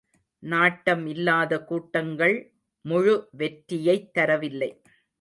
நாட்டம் இல்லாத கூட்டங்கள் முழு வெற்றியைத்தரவில்லை.